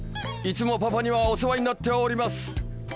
いつもパパにはお世話になっております！